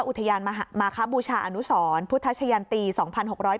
อุทยานมาฮะมาคะบูชาอนุศรพุทธชะยันตีสองพันหกร้อย